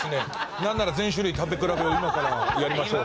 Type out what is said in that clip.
なんなら全種類食べ比べを今からやりましょうか？